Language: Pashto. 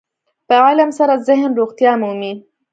په علم سره ذهن روغتیا مومي.